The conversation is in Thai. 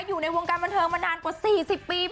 อยู่ในวงการบันเทิงมานานกว่า๔๐ปี